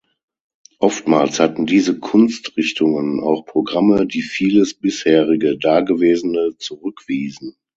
Oftmals hatten diese Kunstrichtungen auch Programme, die vieles bisherige, dagewesene zurückwiesen.